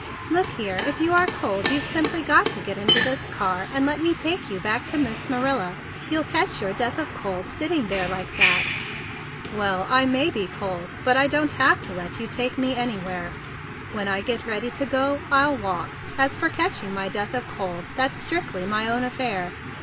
"Look here; if you are cold, you've simply got to get into this car and let me take you back to Miss Manila. You'll catch your death of cold sitting there like that." "Well, I may be cold; but I don't have to let you take me anywhere. When I get ready to go, I'll walk. As for catching my death of cold, that's strictly my own affair.